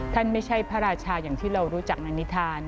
ไม่ใช่พระราชาอย่างที่เรารู้จักนางนิทาน